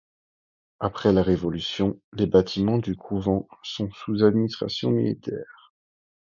Après la Révolution les bâtiments du couvent sont sous administration militaire.